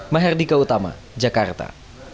maherdika utama jakarta